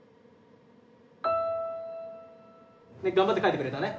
頑張って書いてくれたね。